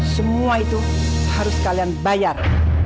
semua itu harus kalian bayar